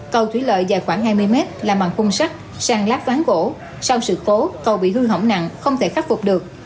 cầu thủy lợi dài khoảng hai mươi mét làm bằng khung sắt sang láp ván gỗ sau sự cố cầu bị hư hỏng nặng không thể khắc phục được